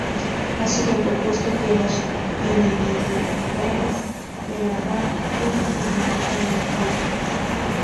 Ha sido propuesto que los inhibidores de la Dam pueden funcionar como antibióticos.